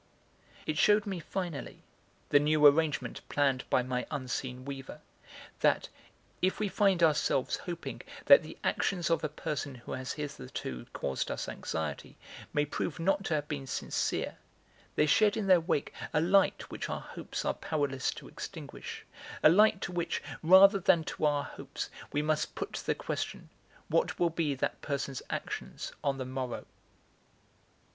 It shewed me finally, the new arrangement planned by my unseen weaver, that, if we find ourselves hoping that the actions of a person who has hitherto caused us anxiety may prove not to have been sincere, they shed in their wake a light which our hopes are powerless to extinguish, a light to which, rather than to our hopes, we must put the question, what will be that person's actions on the morrow.